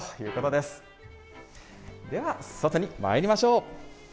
では、外にまいりましょう。